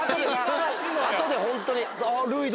あとでホントに！